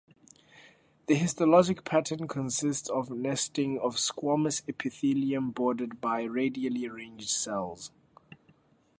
The histologic pattern consists of nesting of squamous epithelium bordered by radially arranged cells.